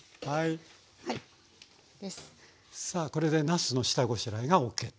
さあこれでなすの下ごしらえがＯＫと。